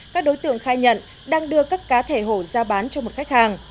các đối tượng khai nhận đang đưa các cá thể hổ ra bán cho một khách hàng